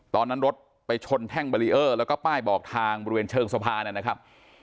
ตอนนั้นรถไปชนแท่งบารีเออร์แล้วก็ป้ายบอกทางบริเวณเชิงสะพานนะครับ